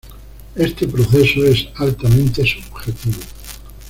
Este proceso es altamente subjetivo.